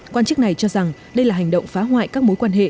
quan chức này cho rằng đây là hành động phá hoại các mối quan hệ